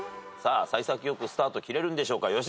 さあ幸先良くスタート切れるんでしょうか。